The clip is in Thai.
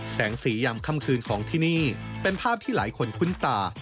แสงสียามค่ำคืนของที่นี่เป็นภาพที่หลายคนคุ้นตา